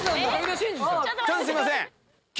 ちょっとすいません。